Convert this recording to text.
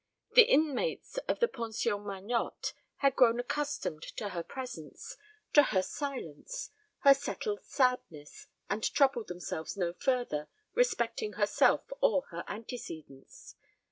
The inmates of the Pension Magnotte had grown accustomed to her presence, to her silence, her settled sadness, and troubled themselves no further respecting herself or her antecedents.